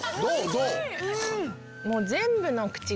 どう？